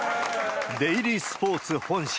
デイリースポーツ本社。